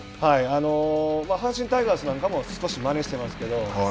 阪神タイガースなんかも少しまねをしていますけれども。